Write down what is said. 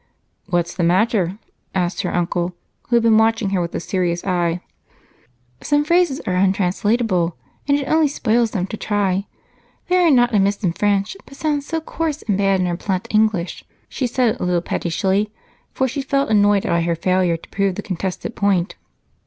"What's the matter?" asked her uncle, who had been watching her with a serious eye. "Some phrases are untranslatable, and it only spoils them to try. They are not amiss in French, but sound coarse and bad in our blunt English," she said a little pettishly, for she felt annoyed by her failure to prove the contested point.